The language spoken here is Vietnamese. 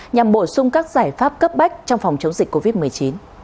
nhằm bổ sung các giải pháp cấp bách trong phòng chống dịch covid một mươi chín